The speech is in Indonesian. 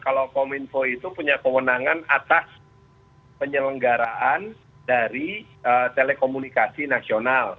kalau kominfo itu punya kewenangan atas penyelenggaraan dari telekomunikasi nasional